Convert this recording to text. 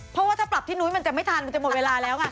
เพราะว่าถ้าปรับที่นุ้ยมันจะไม่ทันมันจะหมดเวลาแล้วไง